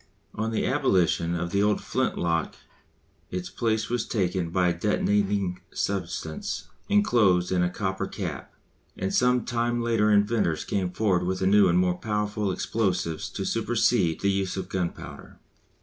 On the abolition of the old flint lock its place was taken by a detonating substance enclosed in a copper cap, and some time later inventors came forward with new and more powerful explosives to supersede the use of gunpowder.